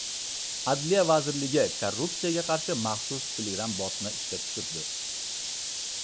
Adliya vazirligi korrupsiyaga qarshi maxsus Telegram botni ishga tushirdi